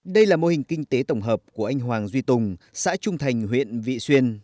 đây là mô hình kinh tế tổng hợp của anh hoàng duy tùng xã trung thành huyện vị xuyên